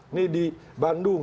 ini di bandung